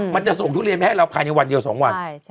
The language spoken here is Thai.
มันจะส่งทุเรียนไปให้เราภายในวันเดียว๒วัน